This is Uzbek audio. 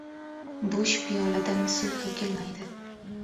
• Bo‘sh piyoladan suv to‘kilmaydi.